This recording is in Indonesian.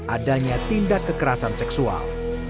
adanya tindak kekerasan seksual